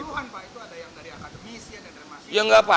itu ada yang dari akademiisnya dan dari masyarakat